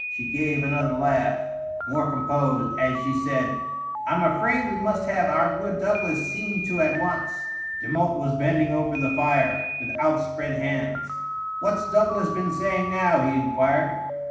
She gave another laugh, more composed, as she said, " I'm afraid we must have our good Douglas seen to at once." Demotte was bending over the fire, with outspread hands. "What's Douglas been saying now?" he inquired.